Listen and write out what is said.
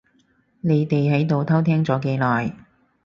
你哋喺度偷聽咗幾耐？